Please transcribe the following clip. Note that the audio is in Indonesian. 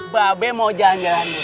babe mau jalan jalan